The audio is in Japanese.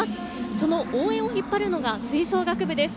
その応援を引っ張るのが吹奏楽部です。